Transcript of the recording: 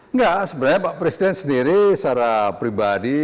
enggak sebenarnya pak presiden sendiri secara pribadi